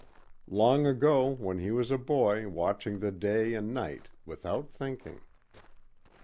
Long ago when he was a boy watching the day and night without thinking.